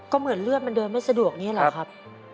ก็เหมือนเลือดมันเดินไม่สะดวกอย่างนี้หรอครับ